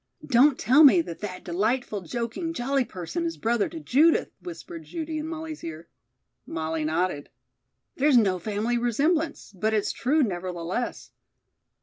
"Don't tell me that that delightful, joking, jolly person is brother to Judith," whispered Judy in Molly's ear. Molly nodded. "There's no family resemblance, but it's true, nevertheless."